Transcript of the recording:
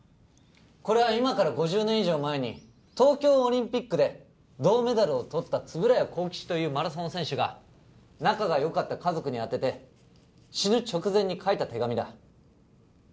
これは今から５０年以上前に東京オリンピックで銅メダルを取った円谷幸吉というマラソン選手が仲がよかった家族に宛てて死ぬ直前に書いた手紙だ